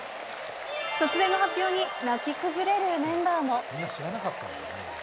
突然の発表に泣き崩れるメンバーも。